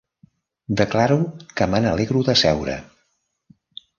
Declaro que m'alegro de seure.